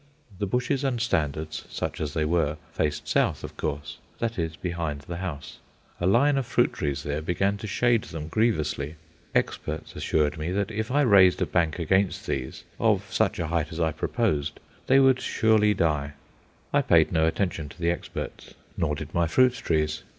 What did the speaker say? The bushes and standards, such as they were, faced south, of course that is, behind the house. A line of fruit trees there began to shade them grievously. Experts assured me that if I raised a bank against these, of such a height as I proposed, they would surely die; I paid no attention to the experts, nor did my fruit trees.